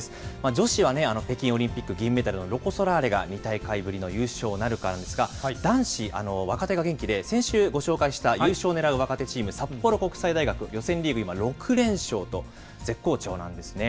女子は北京オリンピック銀メダルのロコ・ソラーレが２大会ぶりの優勝なるかなんですが、男子、若手が元気で、先週ご紹介した優勝を狙う若手チーム、札幌国際大学、予選リーグ、今６連勝と、絶好調なんですね。